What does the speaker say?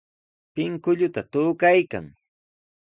Pinkulluta tukaykan.